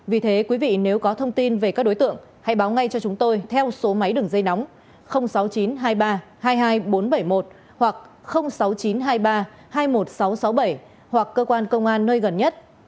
vì thế quý vị nếu có thông tin về các đối tượng hãy báo ngay cho chúng tôi theo số máy đường dây nóng sáu mươi chín hai mươi ba hai mươi hai nghìn bốn trăm bảy mươi một hoặc sáu mươi chín hai mươi ba hai mươi một nghìn sáu trăm sáu mươi bảy hoặc cơ quan công an nơi gần nhất